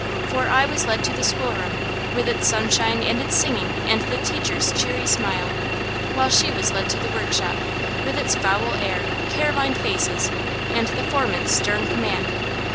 For I was led to the schoolroom, with its sunshine and its singing and the teacher's cheery smile; while she was led to the workshop, with its foul air, care lined faces, and the foreman's stern command.